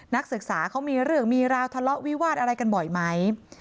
นักศึกษาเขามีเรื่องมีราวทะเลาะวิวาสอะไรกันบ่อยไหม